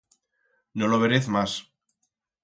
No lo verez mas.